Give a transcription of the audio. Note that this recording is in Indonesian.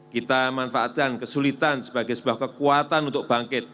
kita manfaatkan kesulitan sebagai sebuah kekuatan untuk bangkit